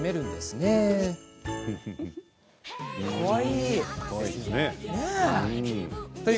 かわいい。